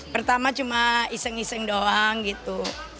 pertama cuma iseng iseng doang gitu